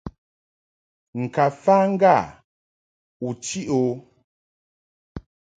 Ŋka fa ŋga u chiʼ o.